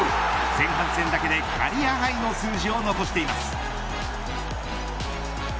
前半戦だけでキャリアハイの数字を残しています。